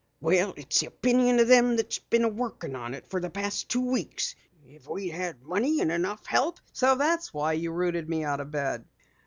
"Well, it's the opinion of them that's been workin' on it for the past two weeks. If we'd had money and enough help " "So that's why you rooted me out of bed!"